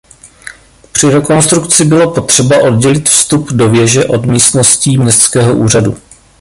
Při rekonstrukci bylo potřeba oddělit vstup do věže od místností městského úřadu.